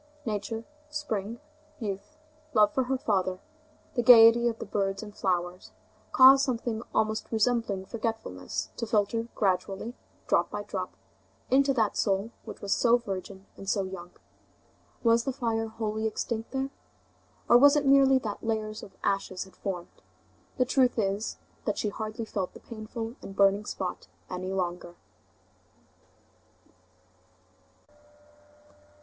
Nature, spring, youth, love for her father, the gayety of the birds and flowers, caused something almost resembling forgetfulness to filter gradually, drop by drop, into that soul, which was so virgin and so young. Was the fire wholly extinct there? Or was it merely that layers of ashes had formed? The truth is, that she hardly felt the painful and burning spot any longer.